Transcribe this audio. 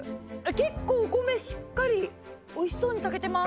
結構お米しっかり美味しそうに炊けてます。